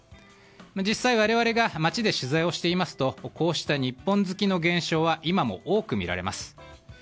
実際我々が街で取材をしていますとこうした日本好きの現象は今も多く見られます。